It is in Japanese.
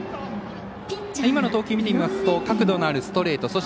今の投球見てみますと角度のあるストレート